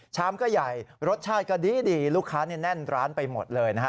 ชามก็ใหญ่รสชาติก็ดีลูกค้าแน่นร้านไปหมดเลยนะฮะ